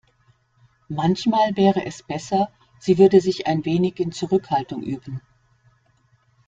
Manchmal wäre es besser, sie würde sich ein wenig in Zurückhaltung üben.